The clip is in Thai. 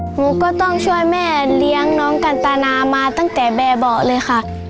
หนูก็ต้องช่วยแม่เลี้ยงน้องกันตานามาตั้งแต่แบบเบาะเลยค่ะ